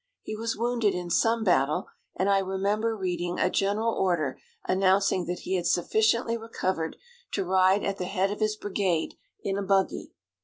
He was wounded in some battle, and I remember reading a general order announcing that he had sufficiently recovered to ride at the head of his brigade in a buggy.